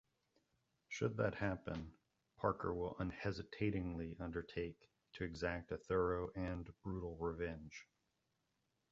Should that happen, Parker will unhesitatingly undertake to exact a thorough and brutal revenge.